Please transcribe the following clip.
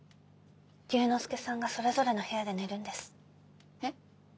龍之介さんがそれぞれの部屋で寝るんですえっ？